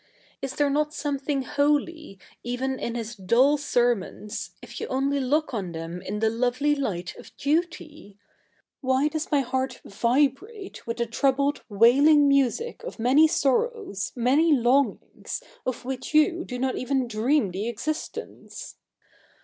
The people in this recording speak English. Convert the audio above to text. Is the7 e not something holy, even in his dull serfnons, if you 07ily look 07i the7?i i7i the lovely light of duty ? IVhy does my heart vibrate with the troubled %vaili7ig music of 7na7iy so7 7 ows, 7na7?y longings, of 7vhich you do not even d7 ea77i the existence